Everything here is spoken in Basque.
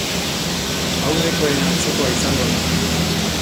Aurrekoen antzekoa izango da.